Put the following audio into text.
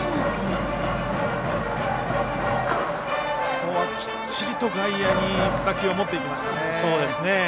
ここはきっちりと外野に打球を持っていきましたね。